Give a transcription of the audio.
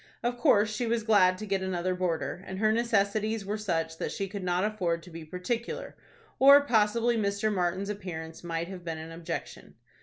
Of course she was glad to get another boarder, and her necessities were such that she could not afford to be particular, or possibly Mr. Martin's appearance might have been an objection.